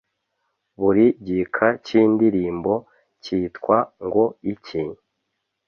buri gika k’indirimbo kitwa ngo iki?